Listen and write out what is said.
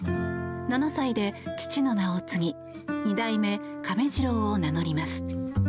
７歳で父の名を継ぎ二代目亀治郎を名乗ります。